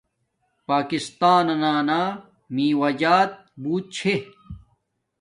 پاکستانانا میوہ جات بوت چھے